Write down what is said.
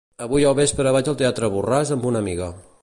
Avui al vespre vaig al teatre Borràs amb una amiga.